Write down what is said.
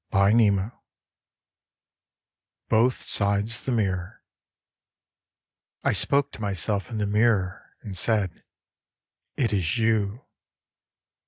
19 c 2 Both Sides the Mirror I SPOKE to myself in the mirror, and said, " It is you."